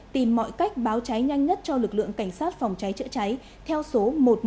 tìm mọi cách báo cháy nhanh nhất cho lực lượng cảnh sát phòng cháy chữa cháy theo số một trăm một mươi hai